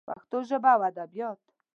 پښتو ژبه او ادبیات